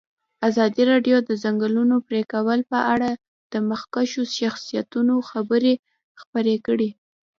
ازادي راډیو د د ځنګلونو پرېکول په اړه د مخکښو شخصیتونو خبرې خپرې کړي.